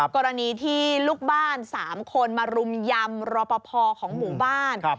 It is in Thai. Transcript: กรณีที่ลูกบ้าน๓คนมารุมยำรอปภของหมู่บ้าน